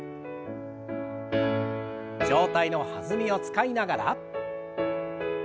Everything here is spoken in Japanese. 上体の弾みを使いながら。